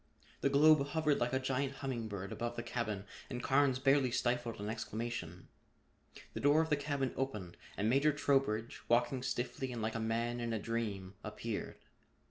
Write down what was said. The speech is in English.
The globe hovered like a giant humming bird above the cabin and Carnes barely stifled an exclamation. The door of the cabin opened and Major Trowbridge, walking stiffly and like a man in a dream, appeared.